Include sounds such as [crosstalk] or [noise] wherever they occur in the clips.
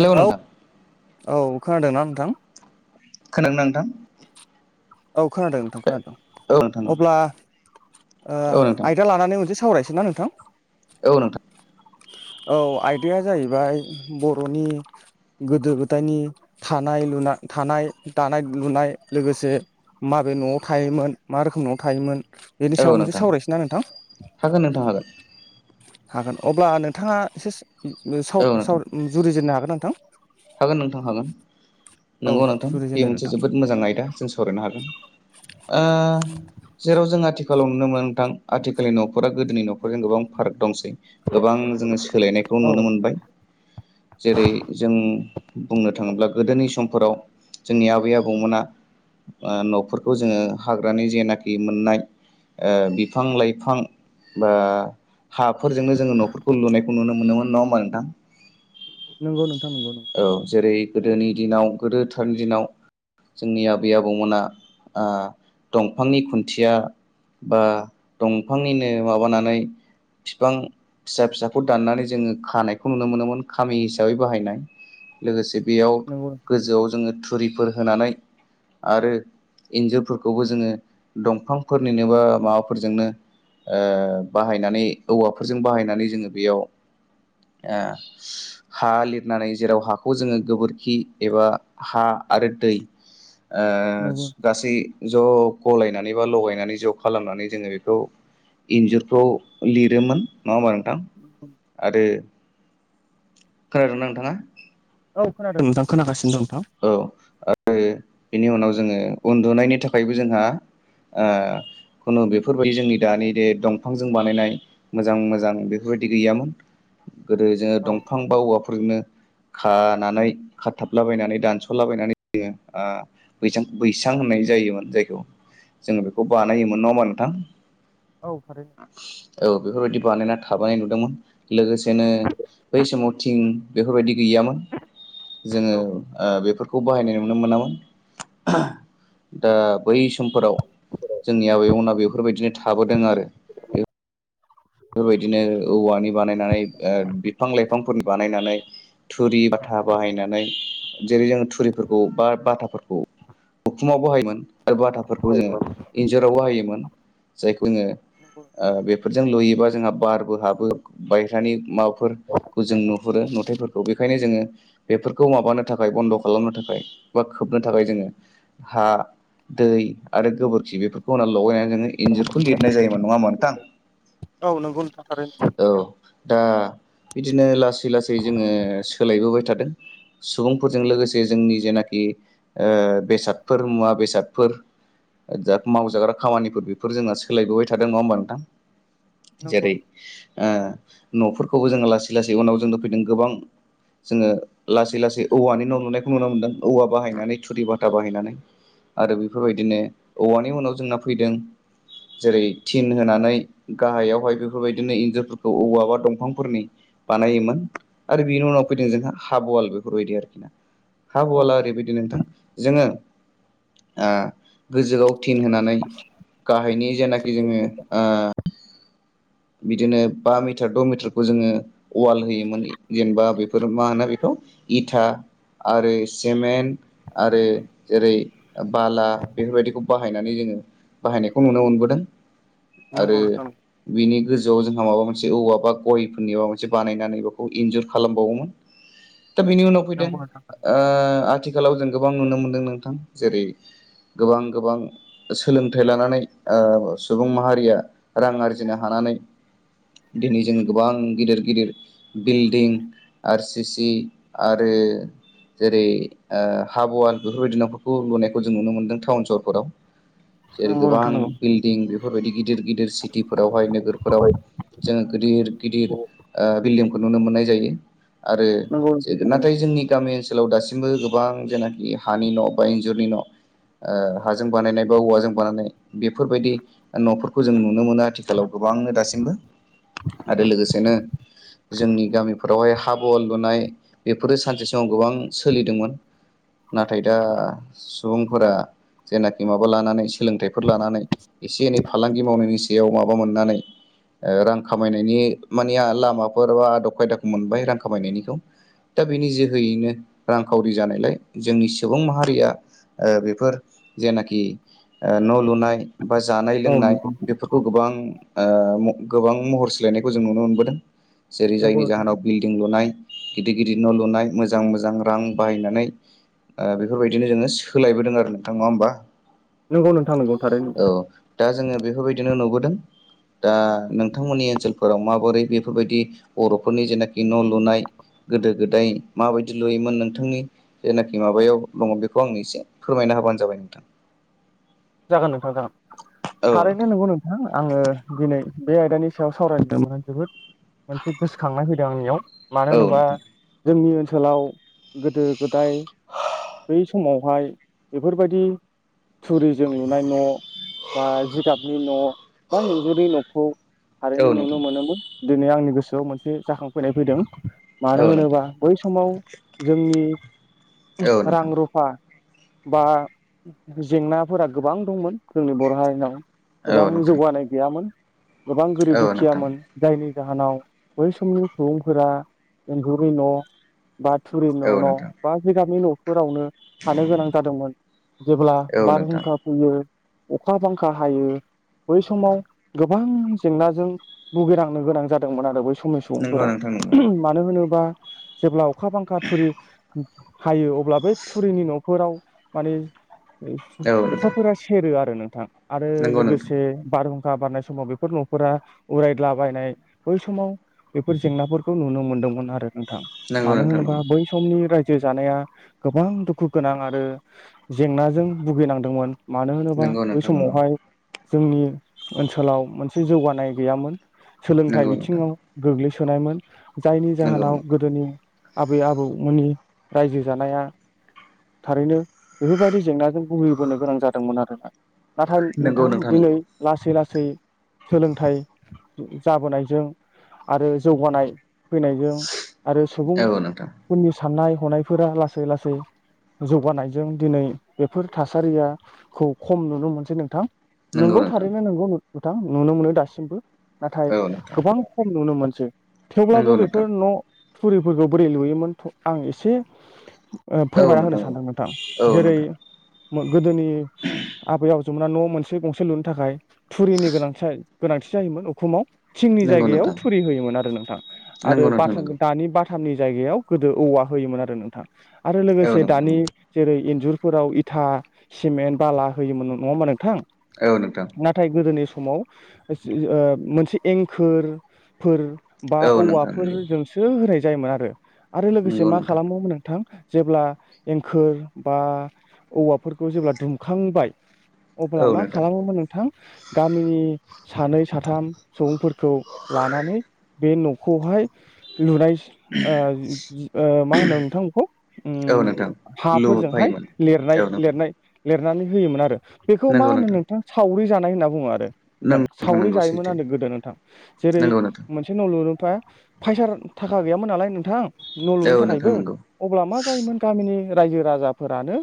Hello औ नोंथां औ खोनादोंना नोंथां खोनानो नोंथां औ खोनादों नोंथां खोनादों औ नोंथां अब्ला औ नोंथां आयदा लानानै मोनसे सावरायसोन ना नोंथां औ नोंथां औ आयदाया जाहैबाय बर'नि गोदो गोदायनि थानाय लु थानाय दानाय लुनाय लोगोसे माबे न'आव थायोमोन मा रोखोम न'आव थायोमोन बेनि औ सायाव मोनसे नोंथां सावरायसोनना नोंथां हागोन नोंथां हागोन हागोन अब्ला नोंथाङा एसे औ नोंथां जुरिजेननो हागोन नोंथां हागोन नोंथां हागोन औ नंगौ नोंथां बे जुरिजेनदो मोनसे नोंथां जोबोद मोजां आयदा जों सावरायनो हागोन ओ जेराव जों आथिखालाव नुनो मोनो नोंथां आथिखालनि न'खरा गोदोनि न'खरजों गोबां फाराक दंसै गोबां जोङो सोलायनायखौ औ नुनो मोनबाय जेरै जों बुंनो थाङोब्ला गोदोनि समफोराव जोंनि आबै आबौमोना न'फोरखौ जोङो हाग्रानि जेनाखि मोननाय बिफां लाइफां बा हाफोरजोंनो जोङो न'फोरखौ लुनायखौ नुनो मोनोमोन नङा होमबा नोंथां नंगौ नोंगौ औ जेरै गोदोनि दिनाव गोदोथारनि दिनाव जोंनि आबै आबौमोना ओ दंफांनि खुन्थिया। बा दंफांनिनो माबानानै। बिफां फिसा-फिसाखौ दाननानै जोङो खानायखौ नुनो मोनोमोन खामि हिसाबै बाहायनाय। लोगोसे बेयाव नंगौ गोजौआव जोङो थुरिफोर होनानै। आरो इन्जुरफोरखौबो जोङो दंफांफोरनिनो बा माबाफोरजोंनो। ओ बाहायनानै औवाफोरजों बाहायनानै जोङो बेयाव। ओ हा लिरनानै जेराव हाखौ जोङो गोबोरखि एबा हा आरो दै। ओ नंगौ गासै ज' गलायनानै बा लगायनानै ज' खालामनानै जोङो बेखौ। इन्जुरफ्राव लिरोमोन नङा ओमबा थां आरो खोनादोंना नोंथाङा? औ खोनादों नोंथां खोनागासिनो दं। नोंथां औ आरो बेनि उनाव जोङो उन्दुनायनि थाखायबो जोंहा। ओ खुनु बेफोरबायदि जोंनि दानि दे दंफांजों बानायनाय मोजां मोजां बेफोरबायदि गैयामोन। [unintelligible] गोदो जोङो दंफां बा औवाफोरजोंनो खानानै खथाबलाबायनानै। दानस'लाबायनानै यो ओ बैसां-बैसां होननाय जायोमोन जायखौ। जोङो बेखौ बानायोमोन नङा हबा नोंथां? औ थारैनो औ बेफोरबायदि बानायना था थाबोनाय नुदोंमोन लोगोसेनो बै समाव थिं बेफोरबायदि गैयामोन। जोङो औ ओ बेफोरखौ बाहायनाय नुनो मोनामोन। दा बै समफोराव। जोंनि आबैमोनना बेफोरबायदिनो थाबोदों आरो। बेफोरबायदिनो औवानि बानायनानै ओ बिफां-लाइफांफोरनि बानायनानै। थुरि बाथा बाहायनानै जेरै- जोंङ थुरिफोरखौ बा बाथाफोरखौ। उखुमाव बाहायोमोन बाथाफोरखौ जोङो इन्जराव बाहायोमोन जायखौ जोङो ओ बेफोरजों लुयो एबा जोंहा बारबो हाबो बायहेरानि माबाफोरखौ जों नुहुरो नुथायफोरखौ बेखायनो जोङो। बेफोरखौ माबानो थाखाय बन्द' खालामनो थाखाय बा खोबनो थाखाय जोङो हा दै आरो गोबोरखि बेफोरखौ होनाव लगायनानै जोङो इन्जुरखौ लिरनाय जायोमोन नङामोनोंथां? औ नोंगौ नोंथा थारैनो। दा बिदिनो लासै-लासै जोङो सोलायबोबाय थादों। सुबुंफोरजों लोगोसे जोंनि जेनाखि ओ बेसादफोर मुवा बेसादफोर। ओ जाद मावजाग्रा खामानिफोर बेफोर जोंना सोलायबोबाय थादों नङा होमबा नोंथां नंगौ जेरै- ओ न'फोरखौबो जोङो लासै-लासै उनाव जोंनो फैदों गोबां। जोङो लासै-लासै औवानि न' लुनायखौ नुनो मोनदों औवा बाहायनानै थुरि भाथा बाहायनानै। आरो बेफोरबायदिनो औवानि उनाव जोंना फैदों जेरै- थिं होनानै। गाहायावहाय बेफोरबायदिनो इन्जरफोरखौ औवा बा दंफांफोरनि बानायोमोन आरो बेनि उनाव फैदों जोंहा हाब'वाल बेफोरबायदि आरोखि ना। हा औ हुवाला ओरैबायदि नोंथां जोङो ओ गोजोआव टिं होनानै गाहायनि जेनाखि जोङो ओ बिदिनो बा मिटार द' मिटारखौ जोङो ववाल होयोमोन जेनेबा बेफोर मा होनो बेखौ? इथा। आरो सिमेन्ट आरो जेरै- बाला बेफोरबायदिखौ बाहायनानै जों बाहायनायखौ नुनो मोनबोदों। नोंगौ आरो नोंथां नोंगौ। बिनि गोजौआव जोंहा माबा मोनसे औवा बा गयफोरनि माबा मोनसे बानायनानै बेखौ इन्जुर खालामबावोमोन। [unintelligible] दा बिनि उनाव फैदों नंगौ नोंथां ओ आथिखालाव जों गोबां नुनो मोनदों नोंथां जेरै गोबां-गोबां सोलोंथाइ लानानै ओ सुबुं माहारिया रां आर आरजिनो हानानै दिनै जों गोबां गिदिर गिदिर बिल्डिं आर सि सि आरो बे जेरै हाब'वाल बेफोरबायदि न'फोरखौ लुनायखौ जों नुनो मोनदों टाउन सहरफोराव जेरै नंगौ नोंथां गोबां नंगौ बिल्डिं बेफोरबायदि गिदिर गिदिर सिटिं बेवहाय नोगोरफोराव जोङो गिदिर गिदिर ओ बिल्डिमखौ नुनो मोननाय जायो। आरो नंगौ नोंथां थारैनो नाथाय जोंनि गामि ओ ओनसोलाव दासिमबो गोबां जेनाखि हानि न' बा इन्जुरनि न'। ओ हाजों बानायनाय बा औवाजों बानायनाय बेफोरबायदि न'फोरखौ जों नुनो मोनो आथि थिखालाव गोबांनो दासिमबो आरो लोगोसेनो जोंनि गामिफोरावहाय हाब'वाल लुनाय बेफोरो सानसे समाव गोबां सोलिदोंमोन। नाथाय दा सुबुंफोरा जेनाखि माबा लानानै सोलोंथाइफोर लानानै एसे एनै फालांगि मावनायनि सायाव माबा मोननानै ओ रां खामायनायनि माने लामाफोर बा आदब खायदाखौ मोनबाय रां खामायनायनिखौ। दा बेनि जोहोयैनो रांखावरि जानायलाय जोंनि सुबुं माहारिया ओ बेफोर जेनाखि न' लुनाय बा जानाय औ लोंनाय नंगौ बेफोरखौ गोबां ओ गोबां महर सोलायनायखौ जों नुनो मोनबोदों जेरै नंगौ जायनि नोंथां जाहोनाव बिल्डिं लुनाय। गिदिर गिदिर न' लुनाय मोजां मोजां रां बाहायनानै बेफोरबायदिनो जोङो सोलायबोदों आरो नोंथां नङा होमबा। नोंगौ नोंथां नंगाव थारैनो। औ दा जोङो बेफोरबायदिनो नुबोदों। दा नोंथांमोननि ओनसोलफोराव माबोरै बेफोरबायदि बर'फोरनि जेनाखि न' लुनाय गोदो गोदाय माबायदि लुयोमोन नोंथांनि जेनाखि माबायाव दङ बेखौ आं एसे फोरमायना। होबानो जाबाय नोंथां। जागोन नोंथां जागोन औ थारैनो नोंथां नंगौ नोंथाङा।। आङो दिनै बे आयदानि सायाव सावरायदोंमोन जोबोद मोनसे गोसोखांनाय फैदों आंनियाव मानो औ होनोबा नोंथां जोंनि ओनसोलाव गोदो गोदाय बै समाव हाय बेफोरबायदि थुरिजों लुनाय न' बा जिगाबनि न' बा एन्जुरनि न'खौ औ थारैनो नुनो नोंथां मोनोमोन दिनै आंनि गोसोआव मोनसे जाखांफैनाय फैदों मानो औ होनोबा नोंथां बै समाव जोंनि औ नोंथां रां रुफा बा जेंना फोर गोबां दंमोन जोंनि बर' हारिनाव औ गोबां नोंथां जौगानाय गैयामोन। गोबां गोरिब औ नोंथां दुखियामोन जायनि जाहोनाव बै समनि सुबुंफोरा एन्जुरनि न' बा थुरि न' औ न' नोंथां बा जिगाबनि न'फोरावनो थानो गोनां जादोंमोन जेब्ला औ बारहुं नोंथां अखा बांखा हायो। बै समाव गोबां जेंनाजों भुगिनांनो गोनां जादोंमोन आरो बै समनि नंगौ सुबुंफोरा नोंथां नंगौ मानो होनोबा जेब्ला अखा बांखा थुरि हायो अब्ला बै थुरिनि न'फोराव माने औ नोंथां अखाफोरा सेरो आरो नोंथां आरो नंगौ नोंथां लोगोसे बारहुं खा बारनाय समाव बेफोर न'फोरा उरायलाबायनाय बै समाव बेफोर जेंनाफोरखौ नुनो मोनदोंमोन आरो नोंथां नंगौ मानो नोंथां होनोबा बै समनि राय जो जानाया गोबां दुखु गोनां आरो जेंनाजों भुगिनांदोंमोन। मानो होनोबा बै नंगौ समावहाय जोंनि ओनसोलाव मोनसे जौगानाय गैयामोन। सोलोंथाइ नंगौ नोंथां बिथिङाव गोग्लैसोनायमोन जायनि नंगौ जाहोनाव गोदोनि आबै आबौमोननि रायजो जानाया थारैनो बेफोरबायदि जेंनाजों भुहैबोनो गोनां जादोंमोन आरोना । नाथाय नंगौ नोंथां नंगौ दिनै नंगौ लासै लासै सै सोलोंथाइ जाबोनायजों आरो जौगानाय फैनायजों आरो औ नोंथां सुबुंफोरनि साननाय हनायफोरा लासै लासै जौगानायजों दिनै बेफोर थासारियाखौ खम नुनो मोनसै नोंथां। नंगौ नोंगौ नोंथां थारैनो नोंगौ नोंथां नुनो मोनो दासिमबो। नाथाय औ नोंथां गोबां खम नुनो मोन थेवब्लाबो नंगौ नोंथां बेफोर न' थुरिफोरखौ बोरै लुयोमोन थ आं एसे ओ औ फोरमायना होनो औ सानदों नोंथां। औ जेरै नोंथां मो गोदोनि आबै आबजोमोना न' मोनसे गंसे लुनो थाखाय थुरिनि गोनांथि जा गोनांथि जायोमोन उखुमाव। थिंनि नंगौ जायगायाव नोंथां थुरि होयोमोन आरो नोंथां आरो नंगौ नोंथां बाथ नंगौ दानि बाथ थामनि जायगायाव गोदो औवा होयोमोन आरो नोंथां आरो औ लोगोसे नोंथां दानि नंगौ जेरै इन्जुर फोराव इथा सिमेन्ट बाला होयोमोन नङा होनबा नोंथां औ नोंथां नाथाय गोदोनि समाव ओ मोनसे एंखोरफोर बा औ नोंथां नंगौ औवाफोरजोंसो होनाय जायोमोन आरो आरो लोगोसे नंगौ मा नोंथां खालामोमोन नोंथां जेब्ला एंखोर बा औवाफोरखौ जेब्ला दुंखांबाय अब्ला औ मा नोंथां खालामोमोन नोंथां गामिनि सानै साथाम सुबुंफोरखौ लानानै बे न'खौहाय लुनायस ओ ओ मा होनो नोंथां बेखौ औ नोंथां उम हाफोरजोंहाय लुफायोमोन लिरनाय औ नोंथां लिरनाय लिरनानै होयोमोन आरो बेखौ मा होनो नोंथां सावरि जानाय होनना बुङो आरो नोंथां नंगौ नोंथां सावरि नंगौ जायोमोन सैथो आरो गोदो नोंथां जेरै नंगौ नोंथां मोनसे न' लुनो ब्ला फायसार थाखा गैयामोन नालाय नोंथां न' लुनो औ नोंथां थाखायबो नंगौ अब्ला मा जायोमोन गामिनि रायजो राजाफोरानो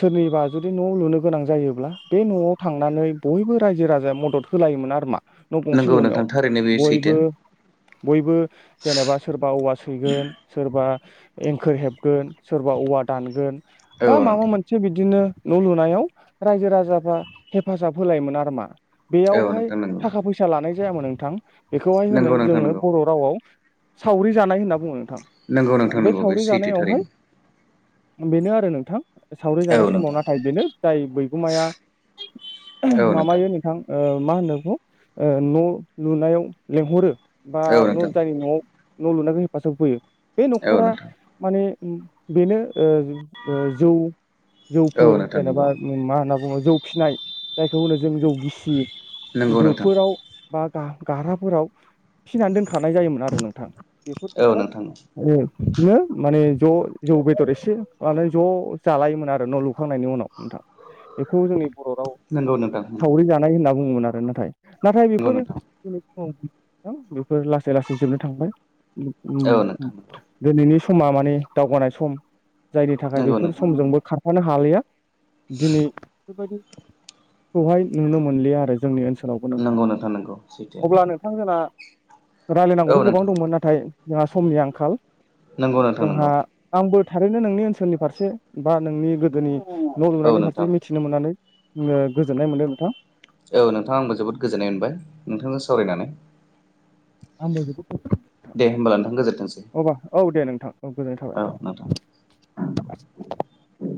सोरनिबा जुदि न' लुनो गोनां जायोब्ला बे न'आव थांनानै ब बयबो रायजो राजाया मदद होलायोमोन आरो ना न' गंसे नंगौ लुनायाव नोंथां थारैनो बे सैथो बयबो बयबो जेनेबा सोरबा औवा सैगोन सोरबा एंखोर हेबगोन सोरबा औवा दानगोन औ बा माबा नोंथां मोनसे बिदिनो न' लुनायाव रायजो राजाफ्रा हेफाजाब होलायोमोन आरो ना औ बेयावहाय नोंथां नंगौ थाखा फैसा लानाय जायामोन नोंथां बेखौहाय होनो नंगौ नोंथां जोङो नंगौ बर' रावाव सावरि जानाय होनना बुङो नंगौ नोंथां। बे नंगौ सावरि सैथो थारैनो जानायावहाय बेनो आरो नोंथां सावरि जानाय औ समाव नोंथां नाथाय बेनो जाय बैगुमाया मामायो नोंथां ओ मा होनो बेखौ ओ न' लुनायाव लेंहरो बा औ न' नोंथां जायनि न'आव न' लुनायाव हेफाजाब होफैयो। बे औ न'खरा नोंथां माने बेनो ओ ओ जौ औ जौफोर नोंथां जेनेबा नंगौ मा होनना बुङो जौ फिसिनाय जायखौ होनो जों जौ गिसि। नंगौ नोंथां दोफोराव बा गा-गाराफोराव फिसिनानै दोनखानाय जायोमोन आरो नोंथां। औ बेफोरखौहाय नोंथां ओ बिदिनो माने ज' जौ बेदर ए से मानाय ज' जालायोमोन आरो न' लुखांनायनि उनाव नोंथां। बेखौ जोंनि बर' राव नंगौ नोंथां सावरि नंगौ जानाय होनना बुङोमोन आरो नाथाय नाथाय बेफोर औ नोंथां नोंथां बेफोर लासै लासै जोबनो थांबाय औ नोंथां उम नंगौ दिनैनि समा माने दावगानाय सम जायनि थाखाय नंगौ बेफोर नोंथां समजोंबो खार फानो हालिया। दिनै बेफोरबायदिखौहाय नुनो मोनलिया आरो जोंनि ओनसो लावबो नोंथां नंगौ नंगौ सैथो अब्ला नोंथां जोंना औ रायलायनांगौथ' गोबां नोंथां दंमोन। नाथाय जोंहा समनि आंखाल। नंगौ नोंथां जोंहा नंगौ आंबो थारैनो नोंनि ओनसोलनि फारसे बा नोंनि गोदोनि न' औ लुनायनि नोंथां फारसे मिथिनो मोननानै ओ गोजोननाय मोनदों नोंथां। औ नोंथां आंबो जोबोद गोजोननाय मोनबाय नोंथांजों सावरायनानै। आंबो बेखौ दे होमबालाय नोंथां गोजोनथोंसै। औ दे नोंथां औ गोजोननाय थाबाय औ नोंथां नोंथां।